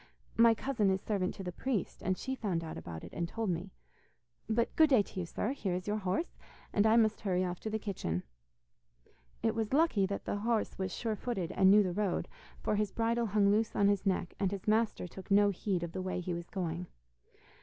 My cousin is servant to the priest, and she found out about it and told me. But good day to you, sir; here is your horse, and I must hurry off to the kitchen.' It was lucky that the horse was sure footed and knew the road, for his bridle hung loose on his neck, and his master took no heed of the way he was going.